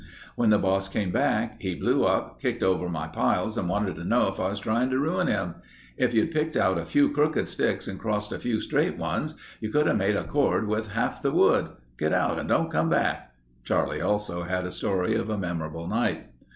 When the boss came back he blew up, kicked over my piles and wanted to know if I was trying to ruin him. 'If you'd picked out a few crooked sticks and crossed a few straight ones, you could have made a cord with half the wood. Get out and don't come back.'" Charlie also had a story of a memorable night.